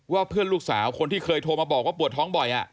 เพื่อนลูกสาวคนที่เคยโทรมาบอกว่าปวดท้องบ่อย